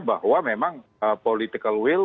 bahwa memang political will